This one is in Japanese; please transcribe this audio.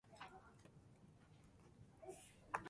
自分の名前が嫌いだった